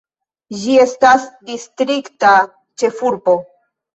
Ĝi estas distrikta ĉefurbo.